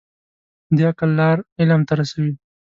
د عقل لار علم ته رسوي.